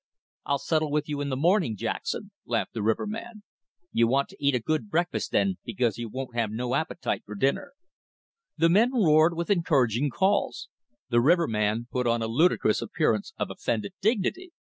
"I'll settle with you in the morning, Jackson," laughed the riverman. "You want to eat a good breakfast, then, because you won't have no appetite for dinner." The men roared, with encouraging calls. The riverman put on a ludicrous appearance of offended dignity.